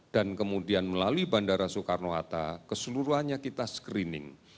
dan kemudian melalui bandara soekarno hatta keseluruhannya kita screening